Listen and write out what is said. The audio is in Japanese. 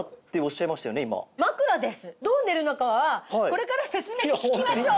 どう寝るのかはこれから説明聞きましょう！